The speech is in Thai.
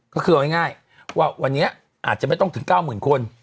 ก็คือเอาง่ายว่าวันนี้อาจจะไม่ต้องถึง๙๐๐คน